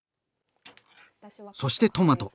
そしてトマト。